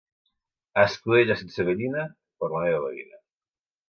Escudella sense gallina, per la meva veïna.